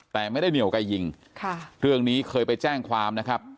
แต่ไม่ได้เหนียวไกลยิงเรื่องนี้เคยไปแจ้งความนะครับ